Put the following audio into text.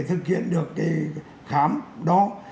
thực hiện được cái khám đó